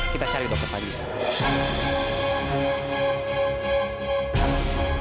kita cari dokter lagi sekarang